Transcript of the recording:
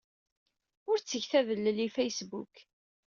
Ur ttget adellel i Facebook.